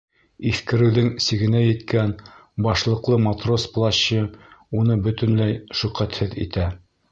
Иҫкереүҙең сигенә еткән башлыҡлы матрос плащы уны бөтөнләй шөкәтһеҙ итә.